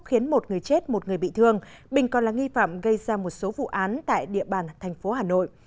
khiến một người chết một người bị thương bình còn là nghi phạm gây ra một số vụ án tại địa bàn thành phố hà nội